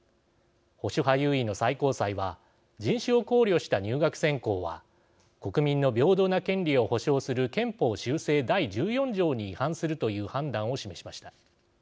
保守派優位の最高裁は人種を考慮した入学選考は国民の平等な権利を保障する憲法修正第１４条に違反するという判断を示しました。